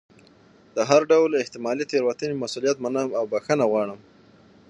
د هر ډول احتمالي تېروتنې مسؤلیت منم او بښنه غواړم.